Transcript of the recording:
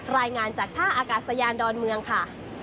รายงานจากท่าอากาศยานดอนเมืองค่ะ